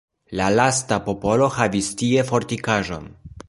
La lasta popolo havis tie fortikaĵon.